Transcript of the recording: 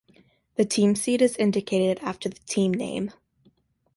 The team seed is indicated after the team name.